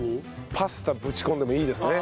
パスタぶち込んでもいいですね。